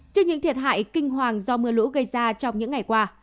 trước những thiệt hại kinh hoàng do mưa lũ gây ra trong những ngày qua